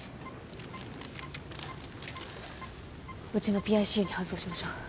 うちのＰＩＣＵに搬送しましょう。